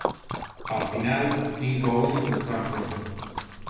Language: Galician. Ao final, cinco a un no Camp Nou.